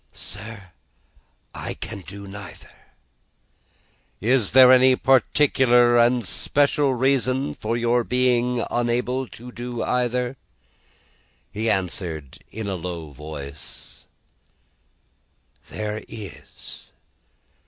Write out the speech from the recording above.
"Sir, I can do neither." "Is there any particular and special reason for your being unable to do either?" He answered, in a low voice, "There is."